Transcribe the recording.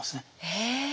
へえ！